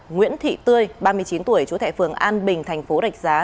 nguyễn thị tươi ba mươi chín tuổi chú tại phường an bình thành phố rạch giá